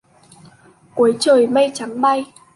Cuối trời mây trắng bay